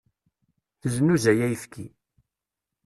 Teznuzay ayefki.